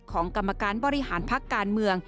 กรรมการบริหารพักการเมือง